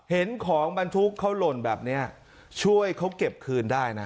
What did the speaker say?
เห็นของบรรทุกเขาหล่นแบบนี้ช่วยเขาเก็บคืนได้นะ